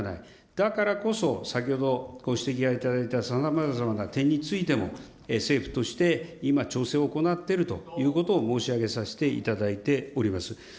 だからこそ、先ほどご指摘いただいたさまざまな点についても、政府として、今、調整を行っているということを申し上げさせていただいております。